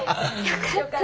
よかった。